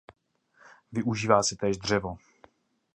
Využívá se též dřevo.